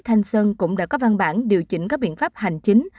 hành sơn cũng đã có văn bản điều chỉnh các biện pháp hành chính